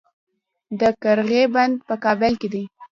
د قرغې بند په کابل کې دی